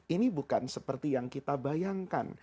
ini bukan seperti yang kita bayangkan